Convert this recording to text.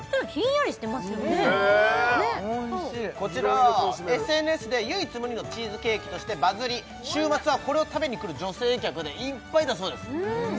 おいしいいろいろ楽しめるこちらはＳＮＳで唯一無二のチーズケーキとしてバズり週末はこれを食べにくる女性客でいっぱいだそうです